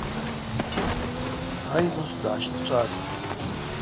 Айныжв дгӏащтӏчӏватӏ.